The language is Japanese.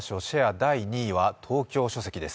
第２位は東京書籍です。